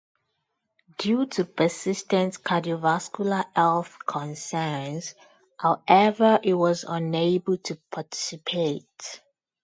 Due to persistent cardiovascular health concerns, however, he was unable to participate.